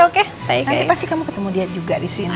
nanti pasti kamu ketemu dia juga disini